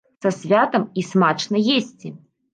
Са святам і смачна есці!!!